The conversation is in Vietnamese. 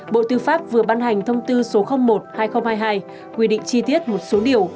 bộ tư pháp vừa ban hành thông tư số một hai nghìn hai mươi hai quy định chi tiết một số điều